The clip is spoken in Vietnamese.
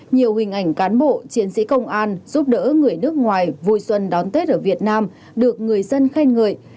nhiều hình ảnh cán bộ chiến sĩ công an giúp đỡ người nước ngoài vui xuân đón tết ở việt nam được người dân khen ngợi